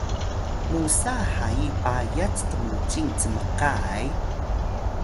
musa hayi payat tmucing cmka ay